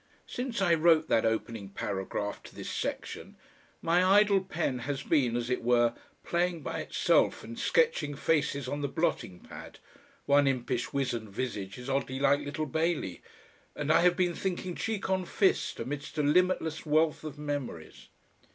Since I wrote that opening paragraph to this section my idle pen has been, as it were, playing by itself and sketching faces on the blotting pad one impish wizened visage is oddly like little Bailey and I have been thinking cheek on fist amidst a limitless wealth of memories.